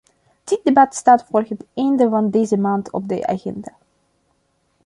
Dit debat staat voor het einde van deze maand op de agenda.